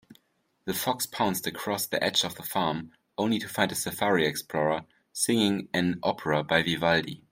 The fox pounced across the edge of the farm, only to find a safari explorer singing an opera by Vivaldi.